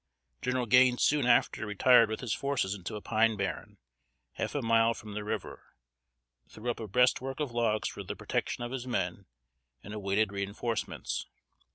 General Gaines soon after retired with his forces into a pine barren, half a mile from the river, threw up a breastwork of logs for the protection of his men, and awaited reinforcements.